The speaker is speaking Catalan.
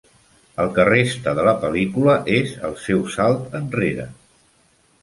El que resta de la pel·lícula és el seu salt enrere.